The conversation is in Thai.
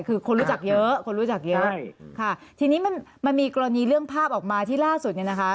คือคนรู้จักเยอะคนรู้จักเยอะใช่ค่ะทีนี้มันมันมีกรณีเรื่องภาพออกมาที่ล่าสุดเนี่ยนะคะ